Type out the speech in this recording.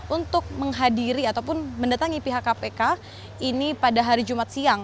untuk menghadiri ataupun mendatangi pihak kpk ini pada hari jumat siang